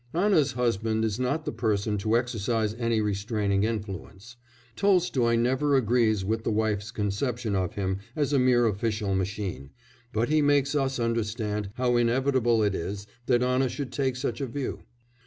Anna's husband is not the person to exercise any restraining influence. Tolstoy never agrees with the wife's conception of him as a mere official machine, but he makes us understand how inevitable it is that Anna should take such a view.